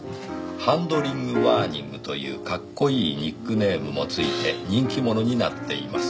「ハンドリング・ワーニングというかっこいいニックネームもついて人気者になっています」